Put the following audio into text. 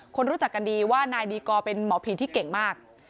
คนรู้จักกันดีว่านายดีกอร์เป็นหมอผีที่เก่งมาก